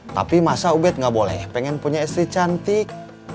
tapi masa ubed nggak boleh pengen punya istri cantik